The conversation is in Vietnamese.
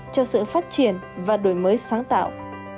cho sự phát triển và đổi mới sáng tạo